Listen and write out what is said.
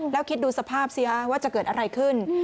แล้วคิดดูสภาพสิฮะว่าจะเกิดอะไรขึ้น